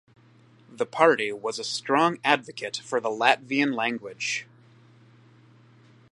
The party was a strong advocate for the Latvian language.